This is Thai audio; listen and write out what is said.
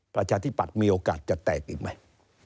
ประชาธิปัตย์มีโอกาสจะแตกอีกไหม